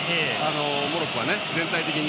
モロッコは全体的に。